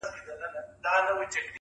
پخپله ورک یمه چي چیري به دي بیا ووینم!!